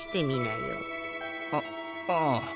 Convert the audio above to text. あっああ。